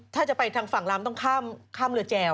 ถ้าจะไปทางฝั่งลามต้องข้ามเรือแจว